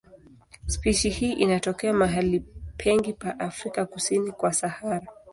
Spishi hii inatokea mahali pengi pa Afrika kusini kwa Sahara.